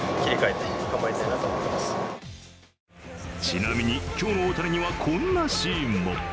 ちなみに、今日の大谷にはこんなシーンも。